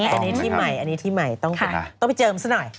ถูกต้องนะครับอันนี้ที่ใหม่ต้องไปเจิมซะหน่อย